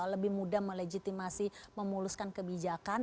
lebih mudah melejitimasi memuluskan kebijakan